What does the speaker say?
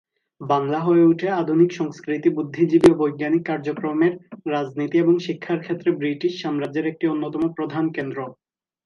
বাংলা হয়ে ওঠে আধুনিক সংস্কৃতি, বুদ্ধিজীবী ও বৈজ্ঞানিক কাজকর্মের, রাজনীতি এবং শিক্ষার ক্ষেত্রে ব্রিটিশ সাম্রাজ্যের একটি অন্যতম প্রধান কেন্দ্র।